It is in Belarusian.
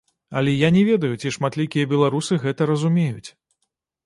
Але я не ведаю, ці шматлікія беларусы гэта разумеюць.